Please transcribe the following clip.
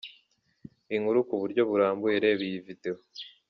Inkuru ku buryo burambuye reba iyi video.